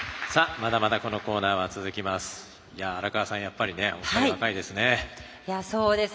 まだまだこのコーナーは続きます。